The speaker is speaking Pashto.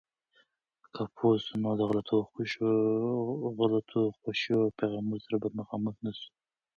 که پوه سو، نو د غلطو خوشو پیغامونو سره به مخامخ نسو.